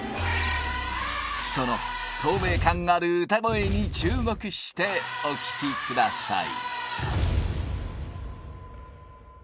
その透明感ある歌声に注目してお聴きください